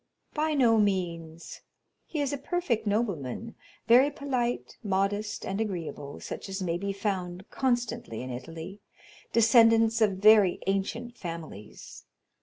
"By no means. He is a perfect nobleman, very polite, modest, and agreeable, such as may be found constantly in Italy, descendants of very ancient families.